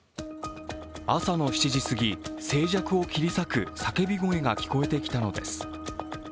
朝の７時すぎ、静寂を切り裂く叫び声が聞こえてきたのです。